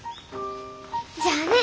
じゃあね。